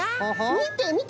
みてみて！